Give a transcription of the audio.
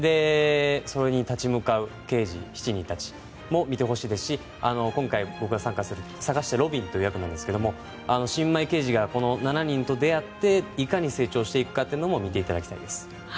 それに立ち向かう刑事７人たちも見てほしいですし、今回僕が坂下路敏という役なんですけど新米刑事がこの７人と出会っていかに成長していくかも見ていただきたいです。